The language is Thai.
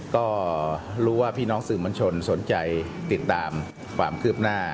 ก็รู้ว่าพี่น้องสื่อมวลชนสนใจติดตามความคืบหน้า